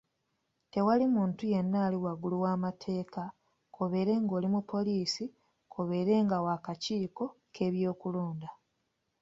Tewali muntu yenna ali waggulu w’amateeka, k'obeere ng'oli mupoliisi k'obeere wa kakiiko k’ebyokulonda.